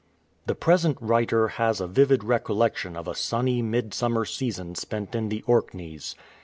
The present writer has a vivid recollection of a sunny midsummer season spent in the Orkneys.